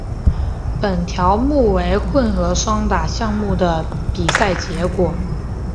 本条目为混合双打项目的比赛结果。